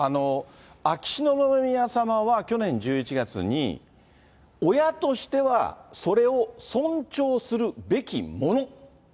秋篠宮さまは去年１１月に、親としてはそれを尊重するべきもの。